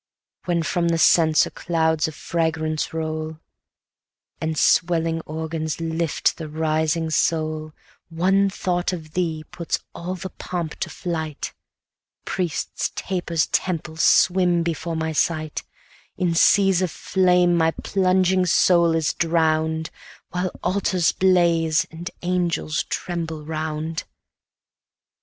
270 When from the censer clouds of fragrance roll, And swelling organs lift the rising soul, One thought of thee puts all the pomp to flight, Priests, tapers, temples, swim before my sight: In seas of flame my plunging soul is drown'd, While altars blaze, and angels tremble round.